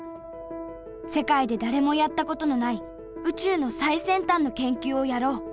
世界で誰もやったことのない宇宙の最先端の研究をやろう。